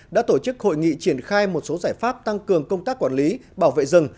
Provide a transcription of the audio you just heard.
đã tổ chức hội nghị triển khai một số giải pháp tăng cường công tác quản lý bảo vệ rừng